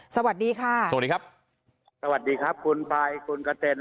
สวัสดีค่ะสวัสดีครับสวัสดีครับคุณไฟคุณกระเต็น